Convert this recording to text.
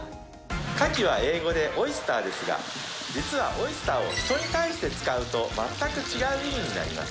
牡蠣は英語でオイスターですが、実はオイスターを人に対して使うと全く違う意味になります。